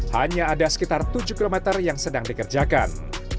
hanya ada sekitar tujuh km yang sedang dikerjakan